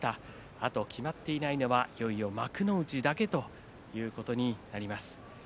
あと決まっていないのはいよいよ幕内だけということになります。